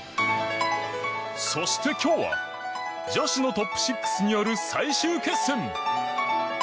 そして、今日は女子のトップ６による最終決戦。